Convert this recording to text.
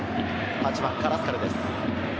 カラスカルです。